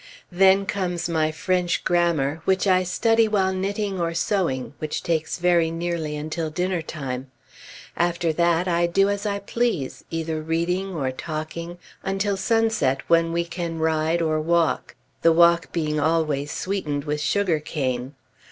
Then comes my French grammar, which I study while knitting or sewing, which takes very nearly until dinner time. After that, I do as I please, either reading or talking, until sunset when we can ride or walk; the walk being always sweetened with sugar cane.